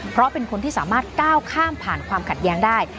เพราะเป็นคนที่สามารถก้าวข้ามผ่านความขัดแย้งได้